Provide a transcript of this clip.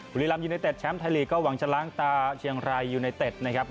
บุรีรัมยูเนเต็ดแชมป์ไทยลีกก็หวังจะล้างตาเชียงรายยูไนเต็ดนะครับ